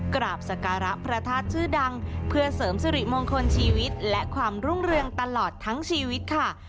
กราบสการะพระธาตุชื่อดังเพื่อเสริมสิริมงคลชีวิตและความรุ่งเรืองตลอดทั้งชีวิตค่ะ